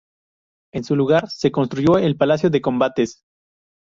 En su lugar se construyó el Palacio de Combates.